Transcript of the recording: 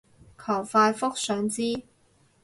求快覆，想知